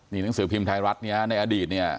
นี่หนังสือพิมพ์ไทยรัฐเนี่ยในอดีตเนี่ย